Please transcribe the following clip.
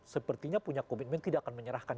sepertinya punya komitmen tidak akan menyerahkan